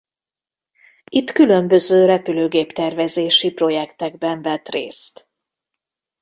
Itt különböző repülőgép-tervezési projektekben vett részt.